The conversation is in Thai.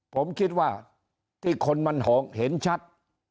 ผมคิดว่าที่คนมันเห็นชัด